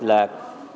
là cần phải đảm bảo